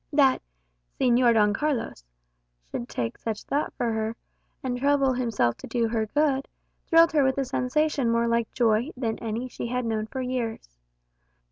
That "Señor Don Carlos" should take thought for her, and trouble himself to do her good, thrilled her with a sensation more like joy than any she had known for years.